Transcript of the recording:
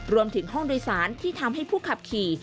รวมถึงห้องโดยสารที่ทำให้ผู้ขับขี่